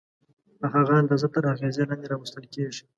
په هغه اندازه تر اغېزې لاندې راوستل کېږي.